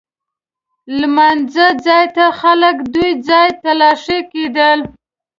لمانځه ځای ته خلک دوه ځایه تلاښي کېدل.